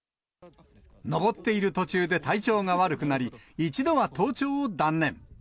登っている途中で体調が悪くなり、一度は登頂を断念。